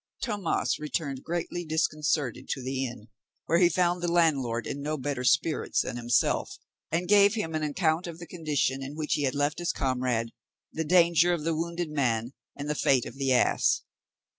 Tomas returned greatly disconcerted to the inn, where he found the landlord in no better spirits than himself, and gave him an account of the condition in which he had left his comrade, the danger of the wounded man, and the fate of the ass.